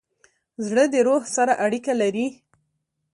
زړه د روح سره اړیکه لري.